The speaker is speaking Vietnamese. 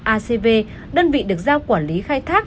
acv đơn vị được giao quản lý khai thác